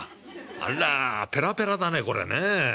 あらペラペラだねこれね。